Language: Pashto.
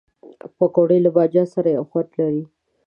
پکورې له بادنجان سره یو خوند لري